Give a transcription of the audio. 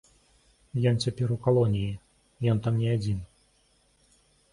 Ён цяпер у калоніі, ён там не адзін.